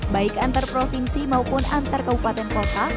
baik antar provinsi maupun antar kabupaten kota